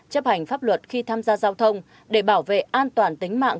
chấp hành pháp luật khi tham gia giao thông để bảo vệ an toàn tính mạng